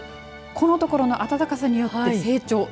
このところの暖かさによって成長